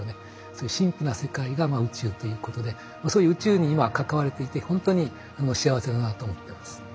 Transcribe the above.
そういう神秘な世界が宇宙ということでそういう宇宙に今関われていてほんとに幸せだなと思ってます。